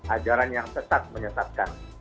ajaran yang sesat menyesatkan